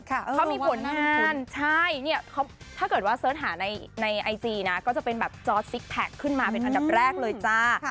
ครับเขามีผลขนาดใช่เนี้ยเขาถ้าเกิดว่าหาในไอจีน่ะก็จะเป็นแบบจอ